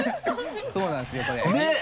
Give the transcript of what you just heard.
そうなんですよこれ。ねぇ！